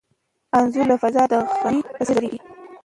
انځور له فضا د غمي په څېر ځلېږي.